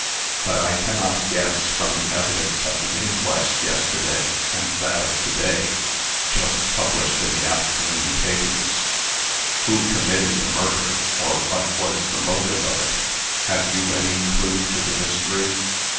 But I cannot guess, from the evidence at the inquest yesterday and that of to day just published in the afternoon papers, who committed the murder, or what was the motive of it. Have you any clue to the mystery?"